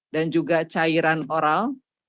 dan juga cairan oral